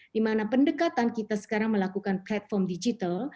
di mana pendekatan kita sekarang melakukan platform digital